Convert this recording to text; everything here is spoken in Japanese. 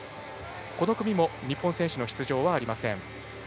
この組も日本選手の出場はありません。